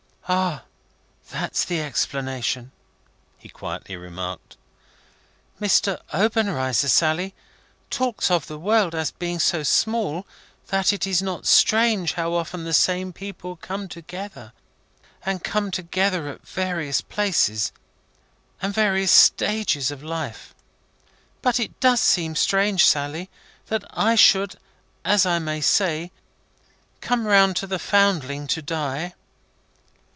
"Ah! That is the explanation!" he quietly remarked. "Mr. Obenreizer, Sally, talks of the world being so small that it is not strange how often the same people come together, and come together at various places, and in various stages of life. But it does seem strange, Sally, that I should, as I may say, come round to the Foundling to die."